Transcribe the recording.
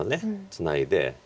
ツナいで。